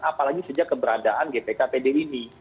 apalagi sejak keberadaan gpk pd ini